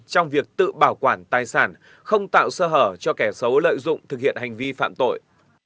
trong việc tự bảo quản tài sản không tạo sơ hở cho kẻ xấu lợi dụng thực hiện hành vi phạm tội